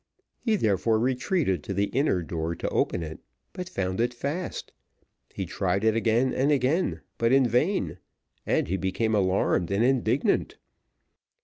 He therefore retreated to the inner door to open it, but found it fast. He tried it again and again, but in vain, and he became alarmed and indignant.